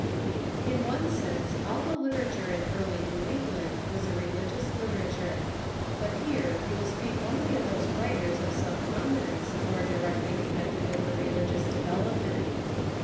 In one sense all the literature in early New England was a religious literature. But here we will speak only of those Reiiaious writers of some prominence more directly con Literature in nected with the religious development.